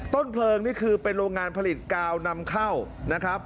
ต้นเพลิงนี่คือเป็นโรงงานผลิตกาวนำเข้านะครับ